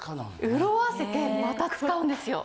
潤わせてまた使うんですよ。